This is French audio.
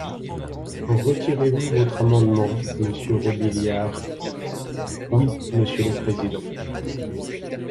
Retirez-vous votre amendement, monsieur Robiliard ? Oui, monsieur le président.